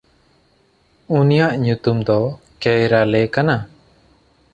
ᱩᱱᱤᱭᱟᱜ ᱧᱩᱛᱩᱢ ᱫᱚ ᱠᱮᱭᱨᱟᱞᱮ ᱠᱟᱱᱟ᱾